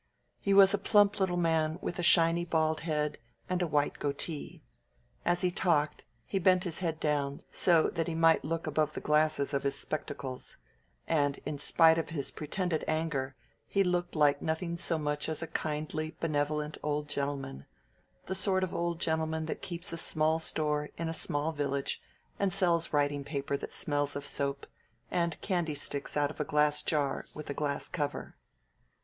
He was a plump little man with a shiny bald head and a white goatee. As he talked, he bent his head down, so that he might look above the glasses of his spectacles; and in spite of his pretended anger he looked like nothing so much as a kindly, benevolent old gentleman the sort of old gentleman that keeps a small store in a small village and sells writing paper that smells of soap, and candy sticks out of a glass jar with a glass cover.